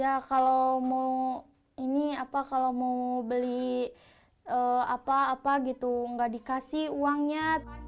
ya kalau mau ini apa kalau mau beli apa gitu nggak dikasih uangnya